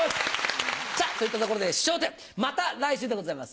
さぁといったところで『笑点』また来週でございます。